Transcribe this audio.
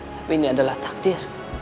tapi ini adalah takdir